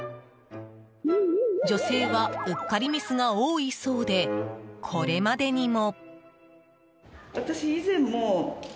女性はうっかりミスが多いそうでこれまでにも。